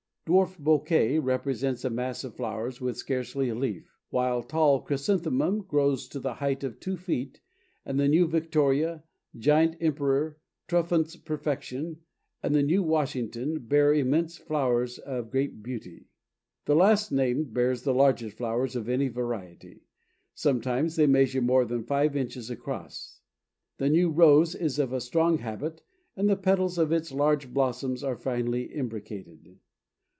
Dwarf Bouquet presents a mass of flowers with scarcely a leaf, while Tall Chrysanthemum grows to the height of two feet, and the New Victoria, Giant Emperor, Truffant's Perfection and the New Washington bear immense flowers of great beauty. The last named bears the largest flowers of any variety; sometimes they measure more than five inches across. The New Rose is of a strong habit, and the petals of its large blossoms are finely imbricated.